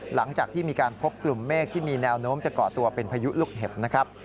หลังจากที่มีการพบกลุ่มเมฆที่มีแนวโน้มจะก่อตัวเป็นพายุลูกเห็บนะครับ